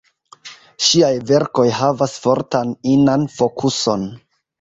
Ŝiaj verkoj havas fortan inan fokuson.